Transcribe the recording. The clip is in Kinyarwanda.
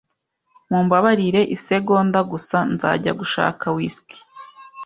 Mumbabarire isegonda gusa. Nzajya gushaka whisky.